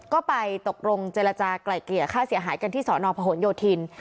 ก็ไปตกลงเจรจากลายเกลี่ยค่าเสียหายกันที่สอนอพหนโยธิน